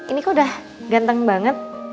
ini kok udah ganteng banget